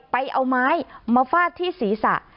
ไปเอาไม้มาฟาดที่ศีรษะ